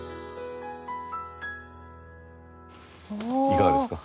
いかがですか？